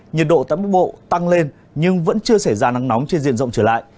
nhiệt độ tại bắc bộ tăng lên nhưng vẫn chưa xảy ra nắng nóng trên diện rộng trở lại